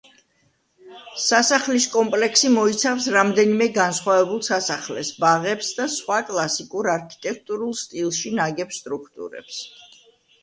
სასახლის კომპლექსი მოიცავს რამდენიმე განსხვავებულ სასახლეს, ბაღებს და სხვა კლასიკურ არქიტექტურულ სტილში ნაგებ სტრუქტურებს.